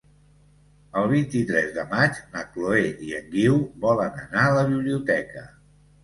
El vint-i-tres de maig na Chloé i en Guiu volen anar a la biblioteca.